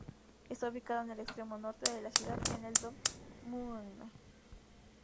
Está ubicado en el extremo norte de la ciudad, en el Don Mueang.